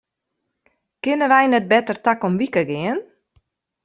Kinne wy net better takom wike gean?